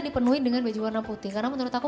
dipenuhi dengan baju warna putih karena menurut aku